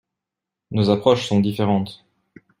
Nos approches sont différentes.